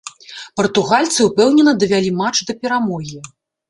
Партугальцы ўпэўнена давялі матч да перамогі.